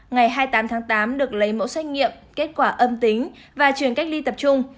ngày hai mươi tám tháng tám được lấy mẫu xét nghiệm kết quả âm tính và chuyển cách ly tập trung